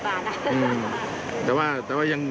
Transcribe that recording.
ราคาไกลลูกละ๘๐บาท